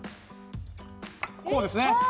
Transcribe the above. こうですね。